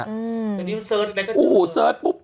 อู้หูเซิร์ชปุ๊บ